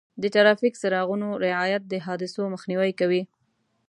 د ټرافیک څراغونو رعایت د حادثو مخنیوی کوي.